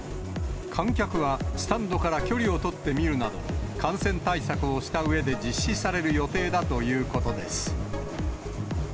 観客はスタンドから距離を取って見るなど、感染対策をしたうえで実施される予定だということです。